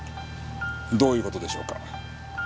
どういう事でしょうか？